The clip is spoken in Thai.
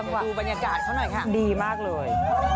ดูบรรยากาศเขาหน่อยค่ะดีมากเลย